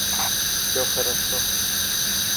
Всё хорошо